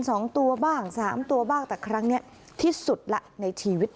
สองตัวบ้างสามตัวบ้างแต่ครั้งเนี้ยที่สุดละในชีวิต